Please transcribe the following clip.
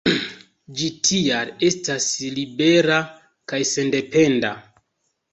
Ĝi tial estas libera kaj sendependa.